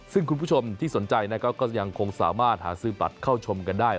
ซึ่งคุณผู้ชมที่สนใจนะครับก็ยังคงสามารถหาซื้อบัตรเข้าชมกันได้